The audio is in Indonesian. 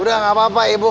udah enggak apa apa ibu